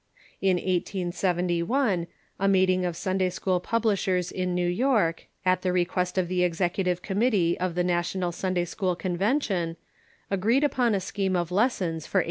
In 1871 a meeting of Sunday school publishers in New York, at the request of the execu tive committee of the National Sunday school Convention, agreed upon a scheme of lessons for 1872.